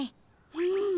うん。